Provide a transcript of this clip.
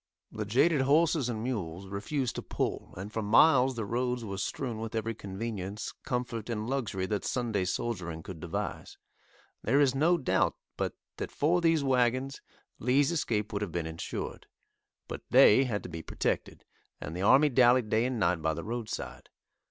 The jaded horses and mules refused to pull, and for miles the roads were strewn with every convenience, comfort and luxury that "Sunday soldiering" could devise. There is no doubt, but that for these wagons, Lee's escape would have been insured, but they had to be protected, and the army dallied day and night by the roadside.